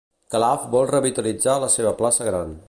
Calaf vol revitalitzar la seva plaça Gran.